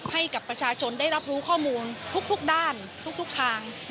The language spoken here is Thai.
ให้กับประชาชนได้รับรู้ข้อมูลทุกด้านทุกทาง